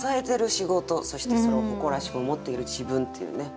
そしてそれを誇らしく思っている自分っていうね。